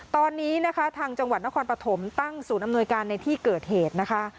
ตอนนี้นะคะทางจังหวัดนครปฐมตั้งศูนย์อำนวยการในที่เกิดเหตุนะคะ